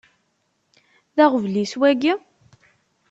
D aɣbel-is wagi?